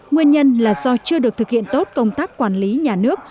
nguyên nhân là do chưa được thực hiện tốt công tác quản lý nhà nước